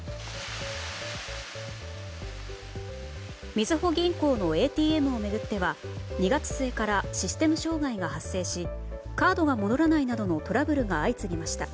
みずほ銀行のＡＴＭを巡っては２月末からシステム障害が発生しカードが戻らないなどのトラブルが相次ぎました。